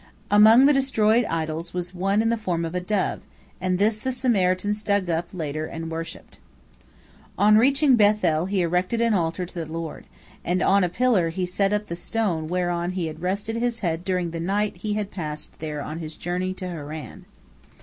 Among the destroyed idols was one in the form of a dove, and this the Samaritans dug up later and worshipped. On reaching Beth el he erected an altar to the Lord, and on a pillar he set up the stone whereon he had rested his head during the night which he had passed there on his journey to Haran.